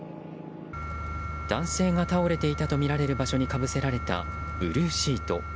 男性が倒れていたとみられる場所にかぶせられたブルーシート。